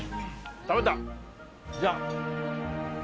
じゃあ。